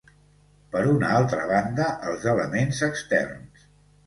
Per una altra banda, els elements externs.